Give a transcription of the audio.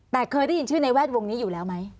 แต่เคยได้ยินชื่อในแวดวงนี้อยู่แล้วไหม